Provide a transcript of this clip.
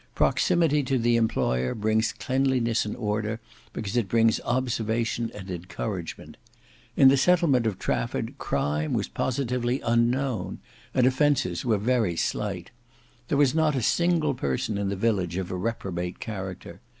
Proximity to the employer brings cleanliness and order, because it brings observation and encouragement. In the settlement of Trafford crime was positively unknown: and offences were very slight. There was not a single person in the village of a reprobate character.